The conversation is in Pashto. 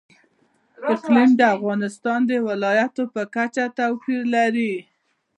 اقلیم د افغانستان د ولایاتو په کچه توپیر لري.